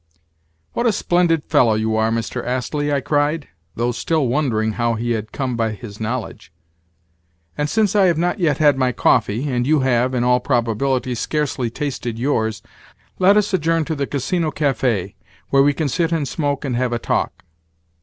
"What a splendid fellow you are, Mr. Astley!" I cried, though still wondering how he had come by his knowledge. "And since I have not yet had my coffee, and you have, in all probability, scarcely tasted yours, let us adjourn to the Casino Café, where we can sit and smoke and have a talk."